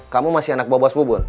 kamu masih anak bobo sbobo